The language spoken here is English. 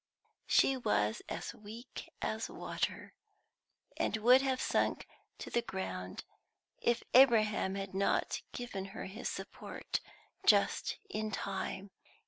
She was as weak as water, and would have sunk to the ground if Abraham had not given her his support just in time.